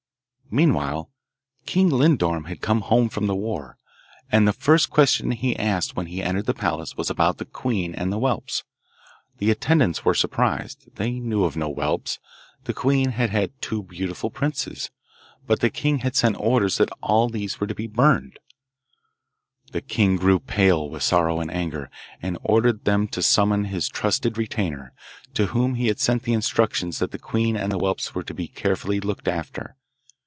Meanwhile King Lindorm had come home from the war, and the first question he asked when he entered the palace was about the queen and the whelps. The attendants were surprised: they knew of no whelps. The queen had had two beautiful princes; but the king had sent orders that all these were to be burned. The king grew pale with sorrow and anger, and ordered them to summon his trusted retainer, to whom he had sent the instructions that the queen and the whelps were to be carefully looked after.